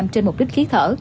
trên một đích khí thở